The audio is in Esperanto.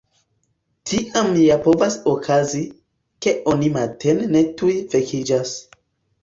Tiam ja povas okazi, ke oni matene ne tuj vekiĝas.